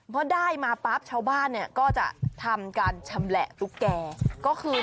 เพราะได้มาปั๊บชาวบ้านก็จะทำการชำแหละตุ๊กแก